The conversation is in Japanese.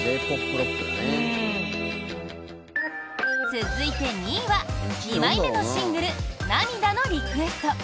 続いて、２位は２枚目のシングル「涙のリクエスト」。